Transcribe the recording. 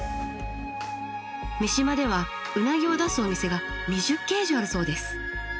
三島ではウナギを出すお店が２０軒以上あるそうです。